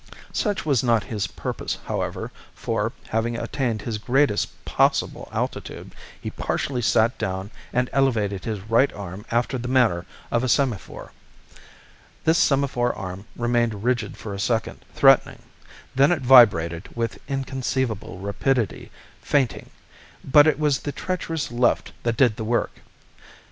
Such was not his purpose, however, for, having attained his greatest possible altitude, he partially sat down and elevated his right arm after the manner of a semaphore. This semaphore arm remained rigid for a second, threatening; then it vibrated with inconceivable rapidity, feinting. But it was the treacherous left that did the work.